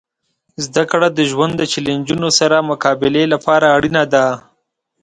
زدهکړه د ژوند د چیلنجونو سره مقابلې لپاره اړینه ده.